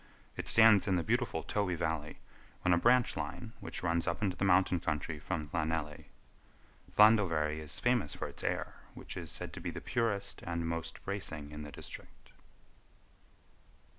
It stands in the beautiful Towy Valley, on a branch line which runs up into the mountain country from Llanelly. Llandovery is famous for its air, which is said to be the purest and most bracing in the district.